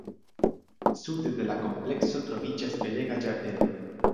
Sude de la komplekso troviĝas belega ĝardeno.